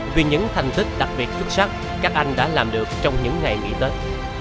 vì những thành tích đặc biệt xuất sắc các anh đã làm được trong những ngày nghỉ tết